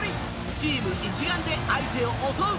チーム一丸で相手を襲う。